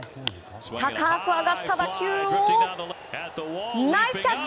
高く上がった打球をナイスキャッチ！